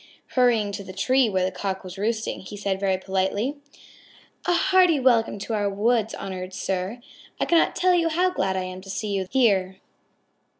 Hurrying to the tree where the Cock was roosting, he said very politely: "A hearty welcome to our woods, honored sir. I cannot tell you how glad I am to see you here.